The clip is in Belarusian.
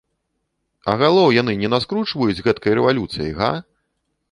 А галоў яны не наскручваюць з гэткай рэвалюцыяй, га?